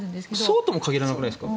そうとも限らなくないですか？